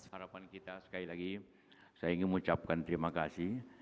harapan kita sekali lagi saya ingin mengucapkan terima kasih